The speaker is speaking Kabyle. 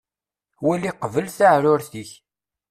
Wali qbel taɛrurt-ik.